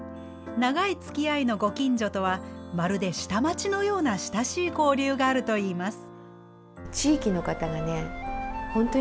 長いつきあいのご近所とはまるで下町のような親しい交流があるといいます。